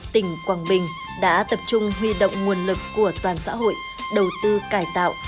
tỉnh quảng bình đã tập trung huy động nguồn lực của toàn xã hội đầu tư cải tạo